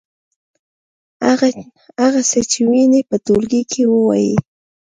هغه څه چې وینئ په ټولګي کې ووایئ.